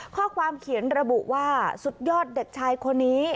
ข้อความเขียนระบุว่าสุดยอดเด็กชายคนนี้